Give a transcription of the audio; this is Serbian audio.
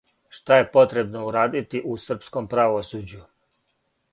Шта је потребно урадити у српском правосуђу?